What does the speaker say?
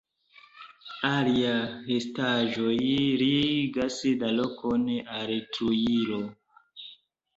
Alia restaĵoj ligas la lokon al Trujillo.